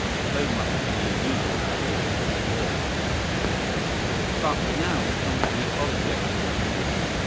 So much for the immediate cause of the war. But now we come to the object of this war.